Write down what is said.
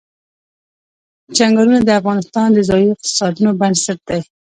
چنګلونه د افغانستان د ځایي اقتصادونو بنسټ دی.